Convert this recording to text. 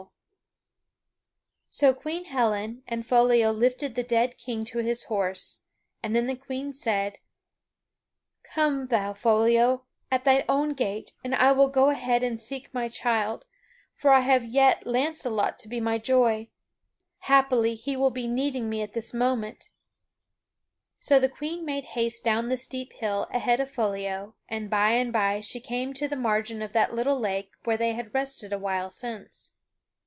[Sidenote: The Lady Helen bringeth her dead down from the Mountain] So Queen Helen and Foliot lifted the dead king to his horse and then the Queen said: "Come thou, Foliot, at thine own gait, and I will go ahead and seek my child, for I have yet Launcelot to be my joy. Haply he will be needing me at this moment." So the Queen made haste down the steep hill ahead of Foliot and by and by she came to the margin of that little lake where they had rested awhile since.